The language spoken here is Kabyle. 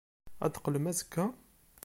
Ad d-teqqlem azekka?